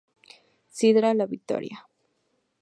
Sidra La Victoria.